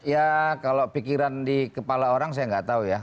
ya kalau pikiran di kepala orang saya nggak tahu ya